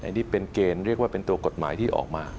อันนี้เป็นเกณฑ์เรียกว่าเป็นตัวกฎหมายที่ออกมา